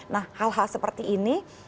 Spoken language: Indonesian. nah hal hal seperti ini